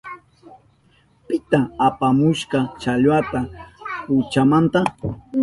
¿Pita apamushka challwata kuchamanta?